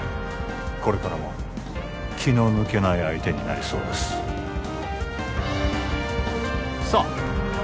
これからも気の抜けない相手になりそうですさあ